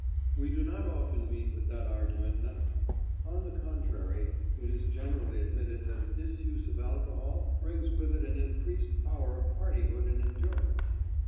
We do not often meet with that argument now; on the contrary, it is generally admitted that a disuse of alcohol brings with it an increased power of hardihood and endurance.